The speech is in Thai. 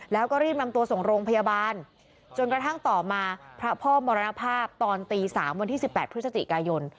แล้วก็รีบนำตัวส่งโรงพยาบาลจนกระทั่งต่อมาพระพ่อมรณภาพตอนตี๓วันที่๑๘พฤศจิกายน